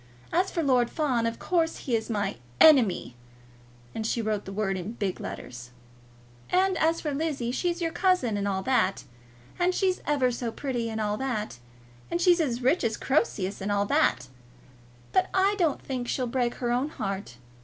As for Lord Fawn, of course he is my ENEMY!" And she wrote the word in big letters. "And as for Lizzie, she's your cousin, and all that. And she's ever so pretty, and all that. And she's as rich as Croesus, and all that. But I don't think she'll break her own heart.